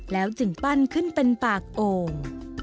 แล้วจึงปั้นขึ้นเป็นปากโอ่ง